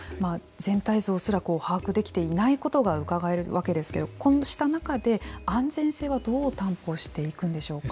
全体像すら把握できていないことがうかがえるわけですけどこうした中で、安全性はどう担保していくんでしょうか。